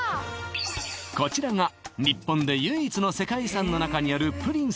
こちらが日本で唯一の世界遺産の中にあるプリン